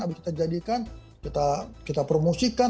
habis kita jadikan kita promosikan